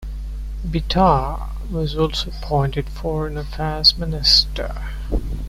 Bitar was also appointed foreign affairs minister.